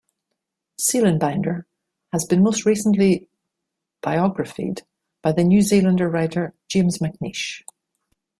Seelenbinder has been most recently biographied by the New Zealand writer James McNeish.